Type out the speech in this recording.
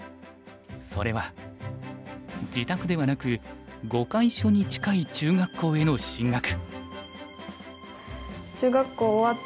それは自宅ではなく碁会所に近い中学校への進学。